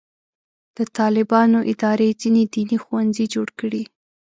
د طالبانو ادارې ځینې دیني ښوونځي جوړ کړي.